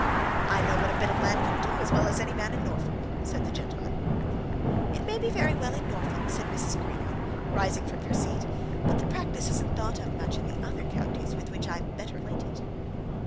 "I know what a bit of land can do as well as any man in Norfolk," said the gentleman. "It may be very well in Norfolk," said Mrs. Greenow, rising from her seat; "but the practice isn't thought much of in the other counties with which I am better acquainted."